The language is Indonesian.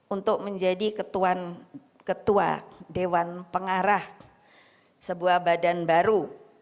untuk menjadi ketua dewan pengarah sebuah badan baru